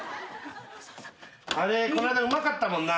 あれこの間うまかったもんな。